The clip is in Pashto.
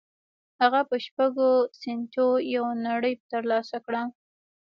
هغه په شپږو سينټو يوه نړۍ تر لاسه کړه.